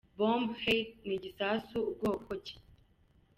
Bombe H ni igisasu bwoko ki ?